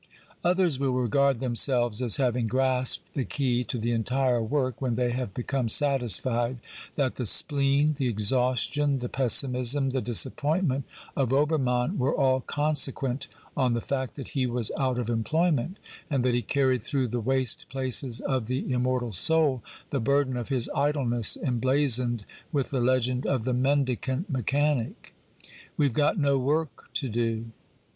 Others will regard themselves as having grasped the key to the entire work when they have become satisfied 1 On this point see further the twenty fourth letter of Obermann. C xxxiv BIOGRAPHICAL AND that the spleen, the exhaustion, the pessimism, the dis appointment of Obermann were all consequent on the fact that he was out of employment, and that he carried through the waste places of the immortal soul the burden of his idleness emblazoned with the legend of the mendi cant mechanic :" We've got no work to do."